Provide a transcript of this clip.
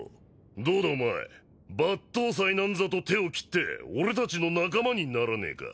どうだお前抜刀斎なんざと手を切って俺たちの仲間にならねえか？